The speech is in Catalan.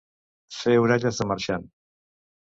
Fer orelles de marxant.